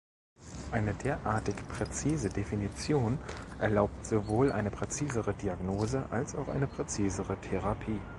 Eine derartig präzise Definition erlaubt sowohl eine präzisere Diagnose als auch eine präzisere Therapie.